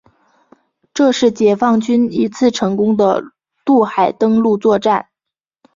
这是解放军一次成功的渡海登陆作战。